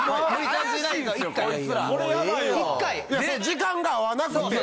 時間が合わなくて。